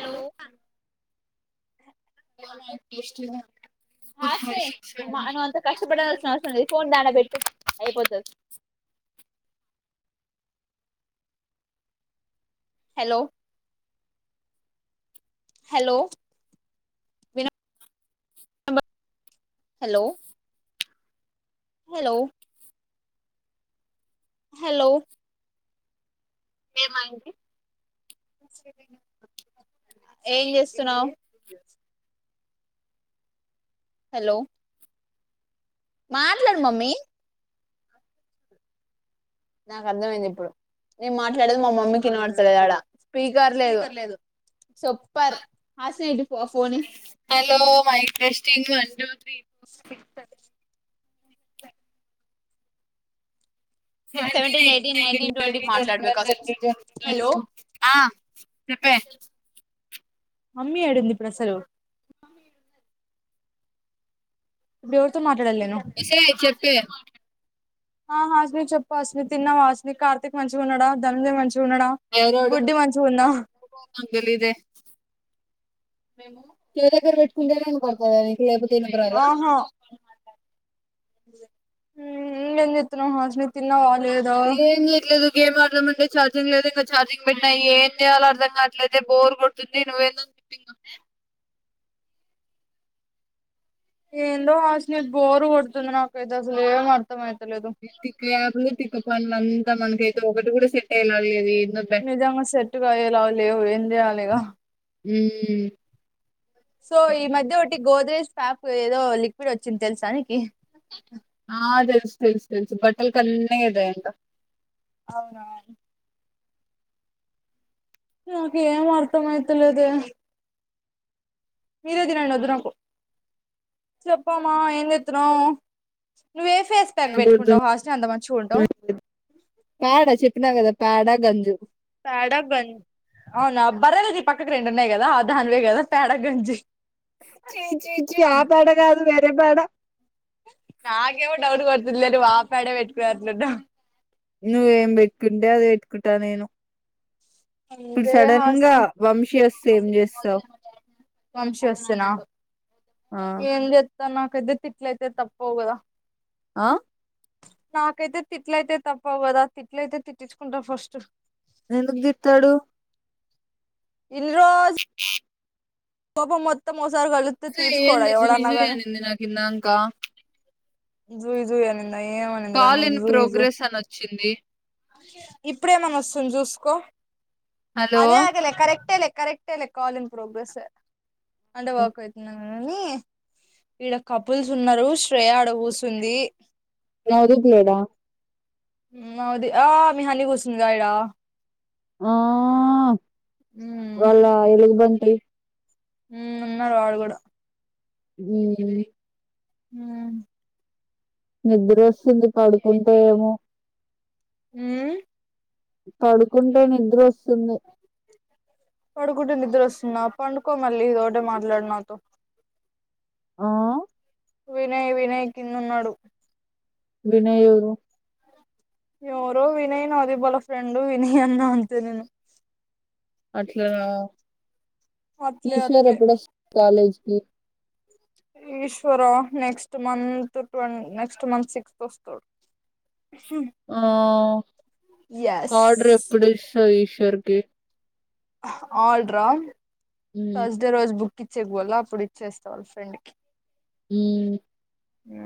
Hello ఎట్లా ఉన్నయన్ని taste హ సే మను అంత కష్టపడాలిసినవసరం లేదు ఫోన్ దాన పెట్టు అయిపోతుది hello hello hello hello hello ఏమైంది ఏం చేస్తున్నావ్ హలో మాట్లాడు మమ్మీ నాకు అర్థంమైంది ఇప్పుడు నేను మాట్లాడేది మా మమ్మీ కినబడతలేదు ఆడ స్పీకర్ లేదు లేదు సూపర్ ఆస ఏంటి phone hello మైక్స్ంగ్ one two three four six హ చెప్పే మమ్మీ ఆడుంది ఇప్పుడుసెలు ఇపుడు ఎవరితో మాట్లాడు ఒసేయ్ చెప్పే ఆ హాస్ని చెప్పు హస్మి తిన్నాం హాస్ని కార్తీక్ మంచిగా ఉన్నాడా ధనంజయ మంచి చున్న ఎవరోడు బుడ్డి మంచి గా ఉందా నాకు తెలీదే మేము చెవి దగ్గర పెట్టుకుంటేనే ఎనపడతాది అది ఇది అయిపోతే ఏం రాదా ఊ ఇంకా ఏం చేస్తున్నావ్ హస్నీ తిన్నావా లేదా ఏం తెలీదు ఇంక ఏం అర్థం అయితలే ఛార్జింగ్ లేదు ఇంకా ఛార్జింగ్ పెట్టియి ఏం చేయలో అర్థం కావట్లయితే బోర్ కొడుతుంది నువ్ ఎందుకు ఫిట్టింగ్ ఏందో హసిన బోర్ కొడుతుంది నాకైతే అసలు ఏం అర్థం అయిత ఎబ్తి కప్ప [unintelligible] అంతా మనకైతే ఒకటి కూడా సెట్ అయ్యలా లేదు ఏందో బె నిజంగా సెట్టుగాయేలా లేవు ఏం చేయల్లీ ఇంక హమ్ సో ఈ మధ్య ఒకటి గుడ్ డేస్ స్ప్ [unintelligible] ఏదో లిక్విడ్ వచ్చింది తెలుసానికి ఆ తెలుసు తెలుసు తెలుసు బట్టల కన్నే ఇద ఎకా అవునా నాకు ఏం అర్థం అయితాలేదే మీరే తినండి వద్దు నాకు చెప్పు అమ్మ ఏం చేస్తున్నావు మంచిగుంటావు పేడ చెప్పినా కదా పేడ గంజు పేడ గంజ్ అవునా బరలేది పక్కకు రెండు ఉన్నాయి కదా అదా అ దాన్వేగ అదా పేడ గంజి చీ చీ చీ ఆ పేడ కాదు వేరే పేడ నాకేవో డౌట్ కొడుతుందిలే ఆ పడే పెట్టుకొనట్లు ఉన్నావు నువ్వేం పెట్టుకుంటే అది పెట్టుకుంటా నేను ఇప్పుడు సడన్ గా వంశీ వస్తే ఏం చేస్తావు వంశి వస్తేనా ఆ ఎమ్ నాకైతే తిట్లైతే తప్పవు కదా ఆ నాకైతే తిట్లయితే తప్పవు కదా తిట్ల అయితే తిట్టించుకుంటా ఫస్ట్ ఎందుకు తిడతాడు ఇల్ [unintelligible] కోపం మొత్తం వస్త్ సార్ కలిస్తే అసలు తీస్కోడా ఎవడైన గాని కా జుయి జుయి అనింద్ ఏం అనిందిరా కాల్ నీకు ఇన్ జూయి జూయి ప్రోగ్రెస్ అని వచ్చింది ఇప్పుడు ఏమని వస్తుందో చూసుకో హలో అదే అగేలే కరెక్ట లే కరెక్ అంతేలే కాల్ ఇన్ పోగ్రెసే ఏ అంటే వర్క్ వచ్చినందుకు కానీ ఈడ కపుల్స్ ఉన్నారు శ్రేయా ఆడ కు స్తుంది నవదీప్ లేడా ఊ అది ఆ మీ హని కూసిందిరా ఈడ ఆ వాళ్ళ ఎలుగు బం టి ఉ ఉన్నారు వాడు కూడా హ హు నిద్ర వస్తుంది పడుకుంటే ఏమో ఊ పడుకుంటే నిద్ర వస్తు పడుకుంటే నిద్రవస్తు నా పండు కో మళ్ళీ ఇదొకటే మాట్లాడు నాతో ఆ వినయ్ వినయ్ కిందన్నాడు వినయ్ ఎవరు ఎవరో వినయ్ నాది వాళ్ళ ఫ్రెండు వినయ్ అన్న అంతే నేను అట్లా అట్లే ఈశ్వర్ అట్లే ఎప్పుడ కాలేజ్ ఏ ఈశ్వరా నెక్స్ట్ మంత్ ట్వ నెక్స్ట్ మంత్ సిక్స్త్ వస్తాడు ఆ ఎస్ ఆర్డర్ ఎప్పుడు వస్సది ష్ ధర్గే హ ఆడ్రా ఉమ్. ఫస్ట్ డే రోజు బు పిచ్చేక్పోళ్ళ అప్పుడు ఇచ్చేస్తా వాళ్ళ ఫ్రెండ్ కి ఈమ్ ఆ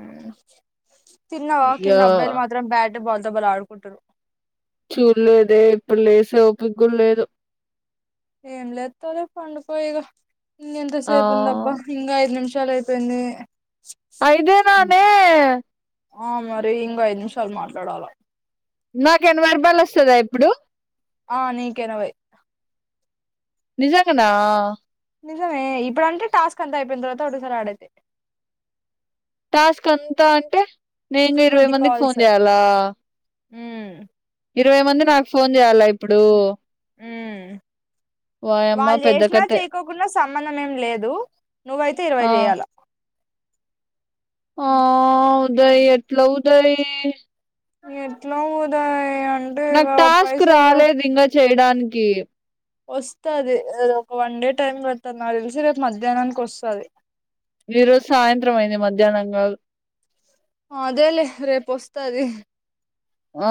తిన్నవా ఇగ కింద అబ్బాయిలు మాత్రం బ్యాడ్ బాల్ తో బాల్ ఆడుకుంటరు. చూలేదే ఇప్పుడు లేసే ఓపిక కూడా లేదు. ఏం లేత్తరు పండుపోయిక ఇంగ ఎంత ఆ సేపుంధబ్బా ఇంగ ఐదు నిమిషాలు అయి పెన్నే ఐదే ననే ఆ మరి ఇంకా ఐదు నిమిషాలు మాట్లాడాల నాకు ఎనబై రూపాయలు వస్తదా ఇప్పుడు ఆ నీకిఏనబై నిజంగనా నిజమే ఇప్పుడు అంటే టాస్క్ అంత అయిపోయిన తర్వాత అడుగుతారు ఆడైతే స్క్ అంతా అంటే నేను ఇరవై ట్వంటీ మందికి ఫోన్ కాల్స్ చేయాలా మ్మ్ ఇరవై మంది నాకు ఫోన్ చేయాలా ఇప్పుడు ఉ వాయమ్మ వాళ్ళు పెద్ద చేసినా కథే చేయకోకుండా సంబంధం ఏం లేదు. నువ్వయితే ఆ ఇరవై చేయాల ఆ ఉదయ్ ఎట్ల ఉదయి ఎట్లా ఉదయ్ అయ్యా నాకు టాస్క్ రాలేదింగజ్ చేయడానికి వస్తాది ఒక వన్ డే టైమ్ పడతాది. నాకు తెలిసి రేపు మధ్యాహ్నానికి వస్తాది. ఈరోజు సాయంత్రం అయింది మధ్యాహ్నంగాదు. ఆ అదేలే రేపు వస్తతాది ఆ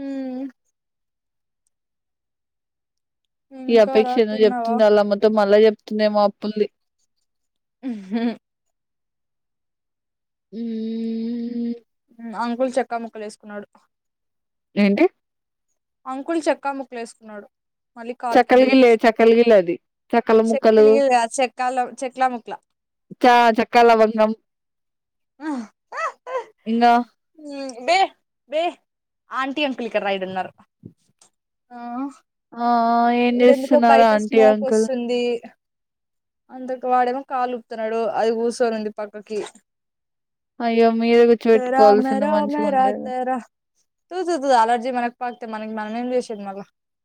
ఉమ్ ఈ ఇంకా రా అపేక్షను తిన్నావా చెప్తుంది అలామ్మతో మళ్ళా చెప్ తుందేమో అప్పులుది ఊహ్మ్ ఉమ్ ఉ అంకుల్ చెక్కా ముక్కలువేసుకున్నాడు. ఏంటి అంకుల్ చెక్కా ముక్కలేసుకున్నాడు. చక్కల గిలిగిల్లే చక్కల గిలిగిల్లే అది చక్కల ముక్కలు చెక్కిలి చెక్కాల చెక్లా ముక్లా చ చెక్కాలవంగం ఇంగా బే బే ఆంటీ అంకుల్ ఇక్కడ రా ఈడ ఉన్నారు ఆ ఏం చేస్తున్నారు ఆంటీ అంకుల్ అంతకు వాడేమో కాలుపుతున్నాడు అది కూచొని ఉంది పక్కకి అయ్యో మీరే రామ కూర్చోపెట్టుకోవాల్సింది రామ మంచిగా ఉండేది రాతరా తూ తూ అలర్జీ మనకు పగతతే మన మనమేం చేసేది మళ్ళ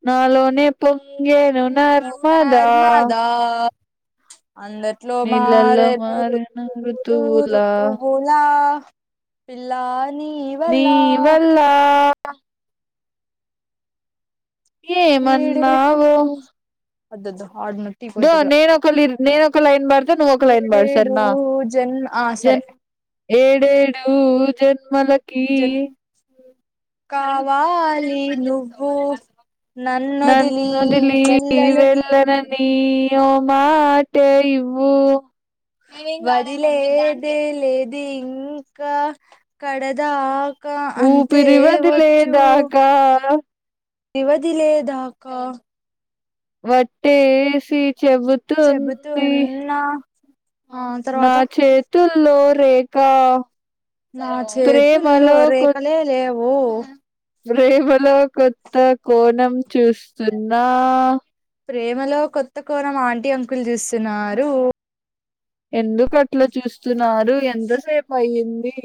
నా లో నే పొంగేను మళ్ళా నర్మదా నర్మదా అందట్లో నీళ్ళల్లో మారేను మారిన ఋతువు ఋతువులా ఋతువులా పిల్లా నీ వల్లా ఆ ఏమన్నావో వద్దద్దు దో నేను ఒకల్లిరి నేను ఒక లైన్ బర్ ఏడేడు జన్మ ఆ సరే జన్ ఏడేడు జన్మ మళ్లకి జన్ కావాలి నువ్వు నన్ను నన్నొదిలి వదిలి వెళ్ళలేను వెళ్ళనని ఇయ్యుమాట ఇవ్వు వదిలేదే లేదింకా కడదా ఊపిరి వదిలే దాకా ఎవదిలేదాకా ఒట్టేసి చెబుతుంది చెబుతున్నా ఆ నా తర్వాత చేతుల్లో రే కా నా చేతుల్లో కొ రేఖలే లేవు ఓ ప్రేమలో కొత్త కోణం చూస్తున్నా ప్రేమలో కొత్త కోణం ఆంటీ అంకులు చూస్తున్నారు ఎందు కట్లా చూస్తున్నారు ఎంతసేపు అయ్యిందీ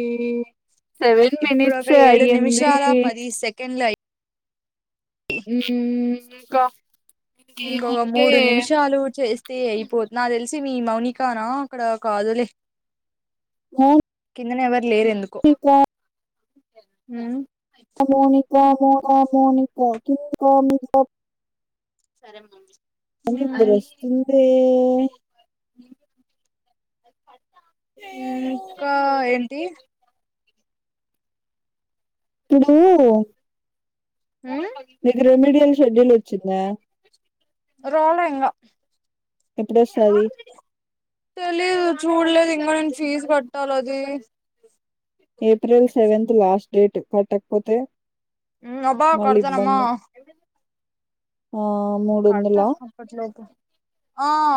ఇప్పుడు ఒక ఏడు నిమిషాల పది సెకండ్లు అయ్ ఉమ్మ్ ఇంకా ఉమ్ ఒక ఇంకేమంటే మూడు నిమిషాలు చేస్ యే అయిపోత్ నా తెలిసి మీ మౌనికా నా అక్కడ కాదులే హు కిందనే ఎవర్ లేరు ఎందుకో హుమ్ అమ్మో నీకు వామ్మో వామ్మో నీతో కిందికో మీదికో సరే మమ్మీ నిద్రొస్తుందే హె ఉమ్ ఇంకా ఎం టీస్ టు డు మీకు రెమిడియన్ ఇస్ షెడ్యూల్ వచ్చిందా రాలే ఇంగా ఎప్పుడొస్తాది తెలీదు చూడలేదు ఇంకా నేను ఫీజు కట్టాలి అది ఏప్రిల్ సెవెన్త్ లాస్ట్ డేట్ కట్టకపోతే ఉమ్ అబ్బా మళ్ళీ కడతనమ్మా ఇబ్బంది. ఆ! కడ్తా మూడొందలా? అప్పట్లోపు ఆ ఆ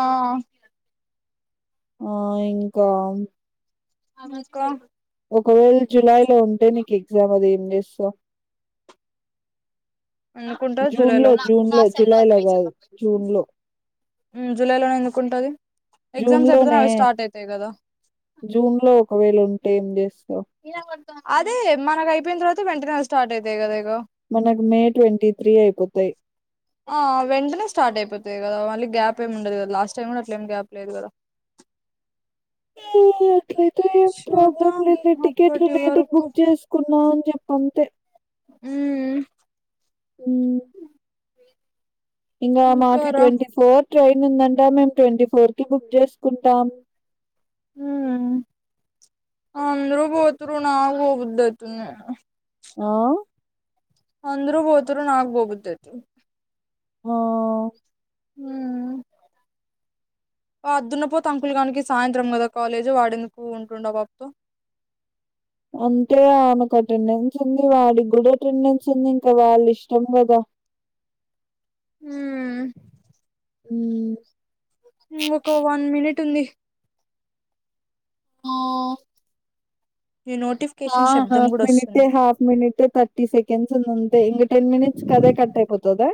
ఆ ఇంకా ఆమె క ఒకవేళ జూలై లో ఉంటే నీకు ఎగ్జామ్ అది ఏంచేస్తవ్ ఎందుకుంటది జూన్ జూలైలో, లో జూన్ లో జులై లో కాదు జూన్ లో ఉమ్ జూలై లో నే ఎందుకుంటుంది. జూన్ ఎగ్జామ్స్ ఐపోతేనే లోనే అవి స్టార్ట్ ఐతేయ్ కదా జూన్ లో ఒకవేళ ఉంటే ఏం చేస్తావ్ అదే మనకు అయిపోయిన తర్వాత వెంటనే స్టార్ట్ అయితాయి కదా ఇగ మనకు మే ట్వంటీ త్రీ అయిపోతయి ఆ వెంటనే స్టార్ట్ అయిపోతాయి కదా మళ్ళీ గ్యాప్ ఏమి ఉండదు కదా లాస్ట్ టైం కూడా అట్లనే గ్యాప్ ఏం లేదు కదా ఒకే ఇట్లైతే ప్రాబ్లం చూద్దాం లేదు టికెట్లు అప్పటి లేదు వరకు బుక్ చేసుకున్నా చెప్పంతే మ్ ఊమ్ ఇంగా ఇంకా మాకి రా ట్వంటీ ఫోర్ ట్రైన్ ఉందంటా మేము ట్వంటీ ఫోర్ కి బుక్ చేసుకుంటాను హ్మ్ అందరు పోతుర్రు నాక్ పోబుద్దైతుంది ఆ అందరు పోతుర్రు నాక్ పోబుద్దైతుంది ఆ హ్మ్ ఆ దున్నపోతు అంకుల్ గానికి సాయంత్రం కదా కాలేజ్ వాడేందుకుంటుండు ఆ పాప తో అంటే ఆమెకు అటెండెన్స్ ఉంది వాడికి కూడా అటెండెన్స్ ఉంది వాళ్ల ఇష్టం కదా ఉమ్ ఉమ్ ట్టుంది ఆ ఈ హ నోటిఫికేషన్ శబ్దం హాఫ్ కూడా మినిట్ వస్తుంది హాఫ్ మినిట్ త థర్టీ సెకండ్స్ ఉంది అంతే ఇంకా టెన్ మినిట్స్ కి అదే కట్ ఐపోతద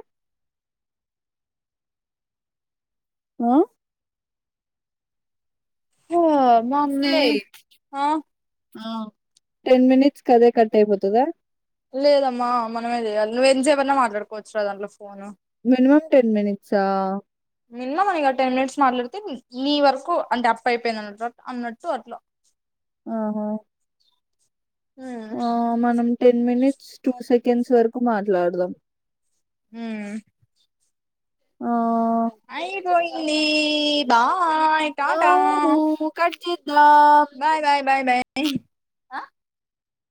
ఆ హా మమ్మీ ఒసేయ్! ఆ ఆ టెన్ మినిట్స్ కి అదే కా ట్ అయిపోతద లేదమ్మా మనమే చేయాలి నువ్ ఎంస్పైన మాట్లాడుకోవచ్చు రా దాంట్లో ఫోన్ మనిమం టెన్ మినట్సా ఆ మినిమం ఇగ టెన్ మినిట్స్ మాట్లాడితే మీీ వర్క్ అంటే అప్పు అయిపోయింది అన్నట్ అన్నట్టు అట్లా ఆహా హ్మ్ ఆ మనం ten minutes two seconds వరకు మాట్లాడదాం హమ్ ఆ పోయింది బా అవును కట్ చెత్త ఆ